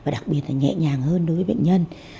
đặc biệt nhẹ nhàng hơn đối với bệnh nhân